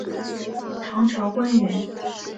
唐朝官员。